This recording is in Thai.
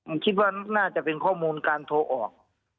ผมคิดว่าน่าจะเป็นข้อมูลการโทรออก